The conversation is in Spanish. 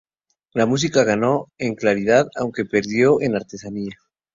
La música ganó en claridad aunque perdió en artesanía.